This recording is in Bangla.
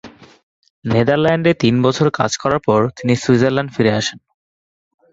নেদারল্যান্ডে তিন বছর কাজ করার পর তিনি সুইজারল্যান্ড ফিরে আসেন।